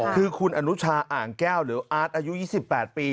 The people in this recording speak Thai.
คือคุณอนุชาอ่างแก้วหรืออาร์ตอายุ๒๘ปี